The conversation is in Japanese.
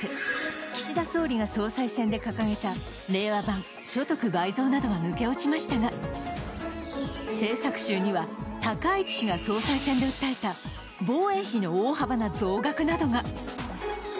岸田総理が総裁選で掲げた令和版所得倍増などは抜け落ちましたが、政策集には高市氏が総裁選で訴えた防衛費の大幅な増額などが。